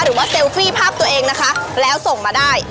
หรือว่าเซลฟี่ภาพตัวเองนะคะแล้วส่งมาได้